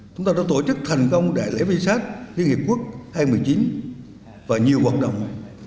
chúng ta đã tổ chức thành công đại lễ v sac liên hiệp quốc hai nghìn một mươi chín và nhiều hoạt động